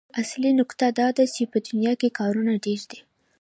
اصلي نکته دا ده چې په دنيا کې کارونه ډېر دي.